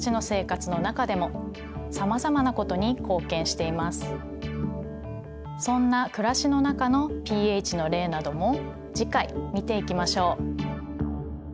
これはそんな暮らしの中のｐＨの例なども次回見ていきましょう。